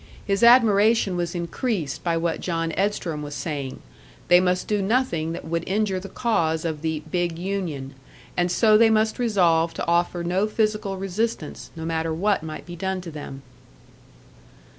His admiration was increased by what John Edstrom was saying they must do nothing that would injure the cause of the "big union," and so they must resolve to offer no physical resistance, no matter what might be done to them.